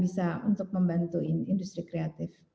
bisa untuk membantu industri kreatif